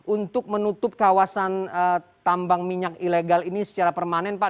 untuk menutup kawasan tambang minyak ilegal ini secara permanen pak